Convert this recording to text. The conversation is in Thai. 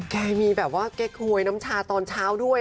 แกมีแบบว่าเก๊กหวยน้ำชาตอนเช้าด้วย